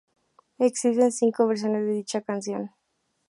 Existen cinco versiones de dicha canción.